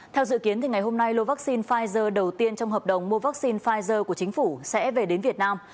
theo dự kiến ngày hôm nay lô vaccine pfizer đầu tiên trong hợp đồng mua vaccine pfizer của chính phủ sẽ về đến việt nam